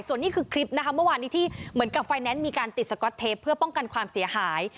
ส่วนนี้คือคลิปนะคะเมื่อวานนี้ที่เหมือนกับไฟแนนซ์มีการติดสก๊อตเทปเพื่อป้องกันความเสียหาย